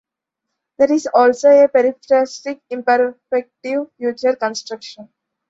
There is also a periphrastic imperfective future construction.